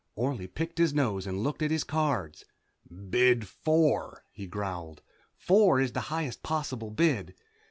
Orley picked his nose and looked at his cards, "Bid four," he growled. Four is the highest possible bid.